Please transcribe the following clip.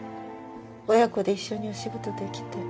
親子で一緒にお仕事出来て。